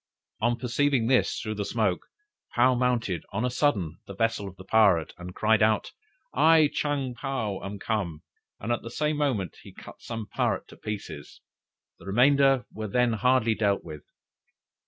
On perceiving this through the smoke, Paou mounted on a sudden the vessel of the pirate, and cried out: 'I Chang Paou am come,' and at the same moment he cut some pirates to pieces; the remainder were then hardly dealt with.